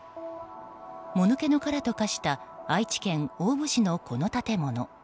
もぬけの殻と化した愛知県大府市のこの建物。